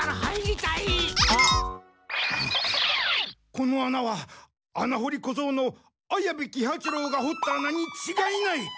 この穴はあなほりこぞうの綾部喜八郎がほった穴にちがいない。